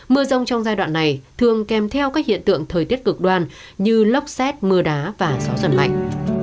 mưa rông trong giai đoạn này thường kèm theo các hiện tượng thời tiết cực đoan như lốc xét mưa đá và gió giật mạnh